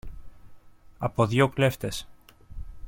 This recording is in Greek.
από δυο κλέφτες.